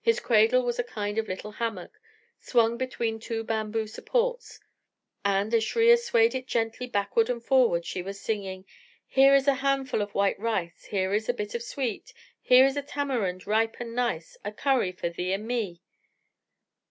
His cradle was a kind of little hammock, swung between two bamboo supports, and, as Shriya swayed it gently backward and forward, she was singing: "Here is a handful of white rice, Here is a bit of sweet, Here is a tamarind ripe and nice, A curry for thee and me."